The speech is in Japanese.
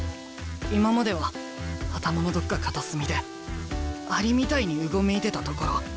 今までは頭のどっか片隅でアリみたいにうごめいてたところ。